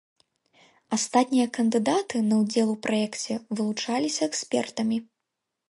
Астатнія кандыдаты на ўдзел у праекце вылучаліся экспертамі.